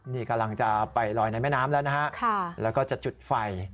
นี่กำลังจะไปลอยในแม่น้ำแล้วนะฮะแล้วก็จะจุดไฟ